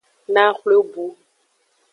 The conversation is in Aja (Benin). Naxwle bu.